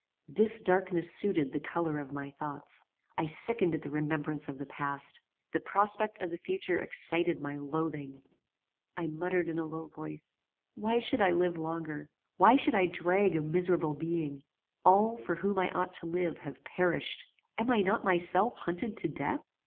This darkness suited the colour of my thoughts. I sickened at the remembrance of the past. The prospect of the future excited my loathing. I muttered in a low voice, Why should I live longer? Why should I drag a miserable being? All, for whom I ought to live, have perished. Am I not myself hunted to death?